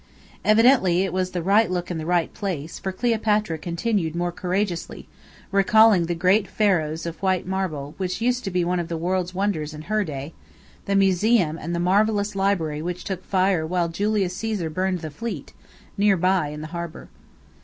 Evidently it was the right look in the right place, for Cleopatra continued more courageously, recalling the great Pharos of white marble which used to be one of the world's wonders in her day; the Museum, and the marvellous Library which took fire while Julius Caesar burned the fleet, nearby in the harbour.